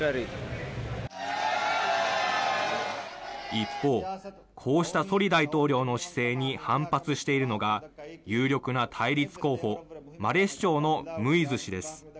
一方、こうしたソリ大統領の姿勢に反発しているのが、有力な対立候補、マレ市長のムイズ氏です。